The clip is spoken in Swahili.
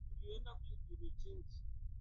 akama ya kikatiba nchini ufarasa imepitisha mswada